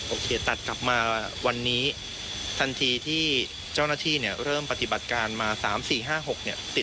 โอเคตัดกลับมาวันนี้ทันทีที่เจ้าหน้าที่เนี่ยเริ่มปฏิบัติการมา๓๔๕๖เนี่ย